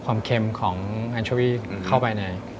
ความเข็มของข้านชอวีทเข้าไปใน